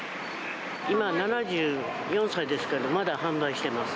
今７４歳ですけど、まだ販売してます。